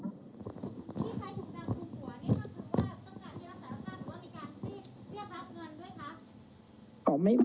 ที่ใช้ถุงดำคลุมหัวนี่ก็คือว่าต้องการที่รับสารภาพหรือว่ามีการเรียกรับเงินด้วยคะ